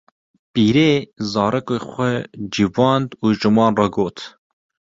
pîrê zarokên xwe civand û ji wan re got: